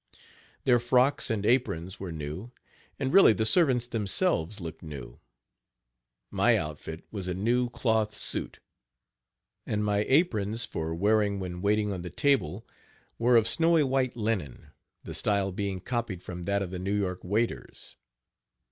Their frocks and aprons were new, and really the servants themselves looked new. My outfit was a new cloth suit, and my aprons for wearing when waiting on the table were of snowy white linen, the style being copied from that of the New York waiters.